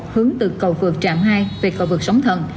hướng từ cầu vượt trạm hai về cầu vượt sóng thần